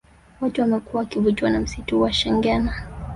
Watu wamekuwa wakivutiwa na msitu wa shengena